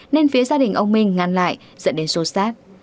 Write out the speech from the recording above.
nên phía gia đình ông minh ngăn lại dẫn đến xô xát